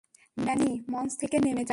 Many, মঞ্চ থেকে নেমে যাও।